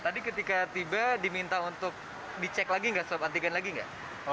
tadi ketika tiba diminta untuk dicek lagi nggak swab antigen lagi nggak